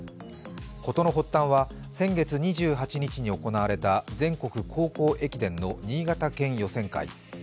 事の発端は先月２８日に行われた全国高校駅伝の新潟予選会。